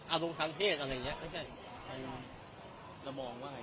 อารมณ์เทศอะไรยะมันคือ